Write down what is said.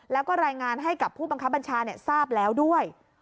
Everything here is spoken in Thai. แล้วก็รายงานให้กับผู้บังคับบัญชาทราบแล้วด้วย